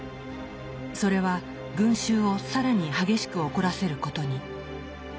それは群衆を更に激しく怒らせることに。